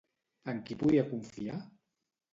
En qui podia confiar?